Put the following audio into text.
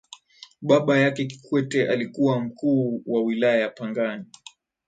baba yake kikwete alikuwa mkuu wa wilaya ya pangani